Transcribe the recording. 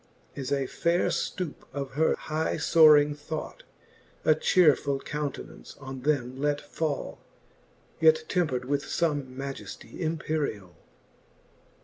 As a faire ftoupe of her high foaring thought, A chearfuU countenance on them let fall, Yet tempred with fome majeftie imperiall.